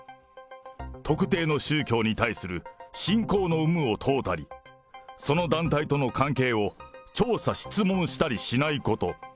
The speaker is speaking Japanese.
特定の宗教に対する信仰の有無を問うたり、その団体との関係を調査・質問したりしないこと。